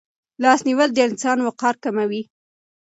لاس نیول د انسان وقار کموي.